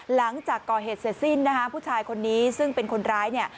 หลังจากก่อเหตุเสร็จสิ้นนะคะผู้ชายคนนี้ซึ่งเป็นคนร้ายเนี่ย